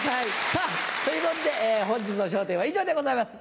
さぁということで本日の『笑点』は以上でございます